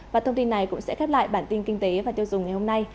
và thông tin này cũng sẽ khép lại bản tin kinh tế và tiêu dùng ngày hôm nay